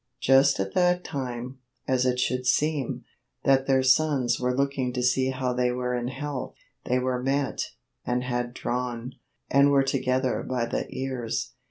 Just at that time, as it should seeme, that their Sonnes were looking to see how they were in health, they were met, and had drawne, and were together by the eares.